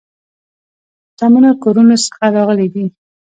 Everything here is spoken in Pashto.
شتمنو کورونو څخه راغلي دي.